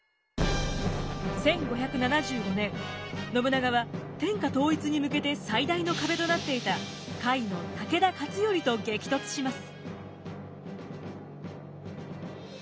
信長は天下統一に向けて最大の壁となっていた甲斐の武田勝頼と激突します。